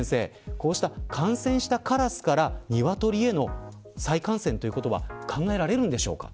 こうした感染したカラスからニワトリへの再感染は考えられるんでしょうか。